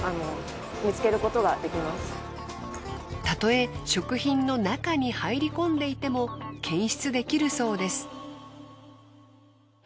たとえ食品の中に入り込んでいても検出できるそうです。